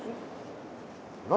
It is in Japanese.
何？